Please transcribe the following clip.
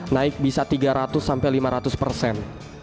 naik bisa tiga ratus sampai lima ratus persen